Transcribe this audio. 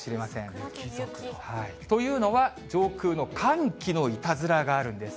桜と雪。というのは、上空の寒気のいたずらがあるんです。